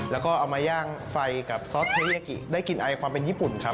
แล้วก็เอามาย่างไฟกับซอสเทรียากิได้กลิ่นไอความเป็นญี่ปุ่นครับ